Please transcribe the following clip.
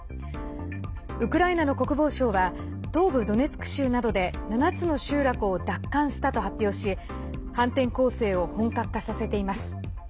ウクライナの国防省は東部ドネツク州などで７つの集落を奪還したと発表し反転攻勢を本格化させています。